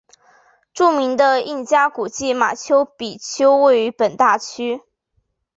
著名的印加古迹马丘比丘位于本大区。